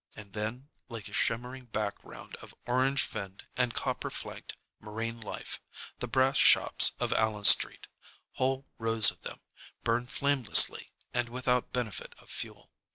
And then, like a shimmering background of orange finned and copper flanked marine life, the brass shops of Allen Street, whole rows of them, burn flamelessly and without benefit of fuel.